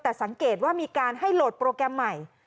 แต่สังเกตว่ามีการให้โหลดโปรแกรมใหม่